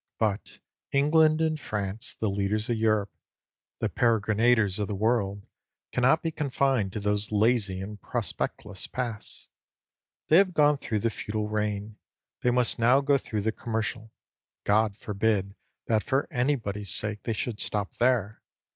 But England and France, the leaders of Europe, the peregrinators of the world, cannot be confined to those lazy and prospectless paths. They have gone through the feudal reign; they must now go through the commercial (God forbid that for any body's sake they should stop there!)